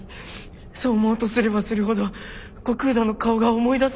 そう思おうとすればするほど後工田の顔が思い出されるんです。